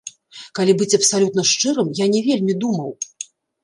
Калі быць абсалютна шчырым, я не вельмі думаў.